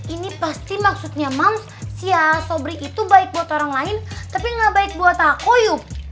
ini pasti maksudnya manusia tobrik itu baik buat orang lain tapi gak baik buat aku yuk